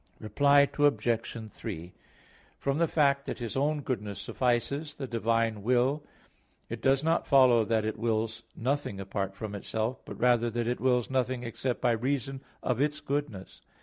Reply Obj. 3: From the fact that His own goodness suffices the divine will, it does not follow that it wills nothing apart from itself, but rather that it wills nothing except by reason of its goodness.